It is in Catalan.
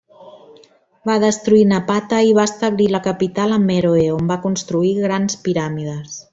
Va destruir Napata i va establir la capital a Meroe on va construir grans piràmides.